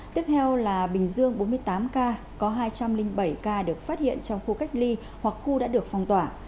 tiếp theo là bình dương bốn mươi tám ca có hai trăm linh bảy ca được phát hiện trong khu cách ly hoặc khu đã được phong tỏa